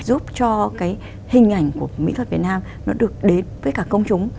giúp cho cái hình ảnh của mỹ thuật việt nam nó được đến với cả công chúng